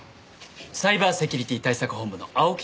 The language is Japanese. サイバーセキュリティ対策本部の青木です。